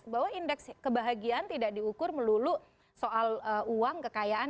bahwa indeks kebahagiaan tidak diukur melulu soal uang kekayaan